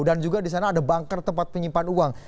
dan juga di sana ada banker tempat penyimpan uang